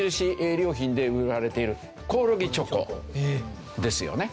良品で売られているコオロギチョコですよね。